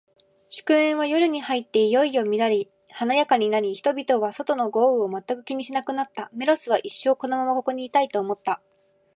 祝宴は、夜に入っていよいよ乱れ華やかになり、人々は、外の豪雨を全く気にしなくなった。メロスは、一生このままここにいたい、と思った。